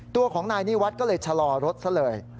ตัวของนายนิวัฒน์ก็เลยชะลอรถซะเลย